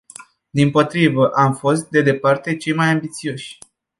Dimpotrivă, am fost, de departe, cei mai ambițioși.